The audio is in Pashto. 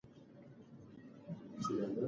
هغه د کلي حال واورېد.